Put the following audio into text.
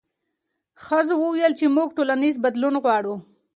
ښځو وویل چې موږ ټولنیز بدلون غواړو.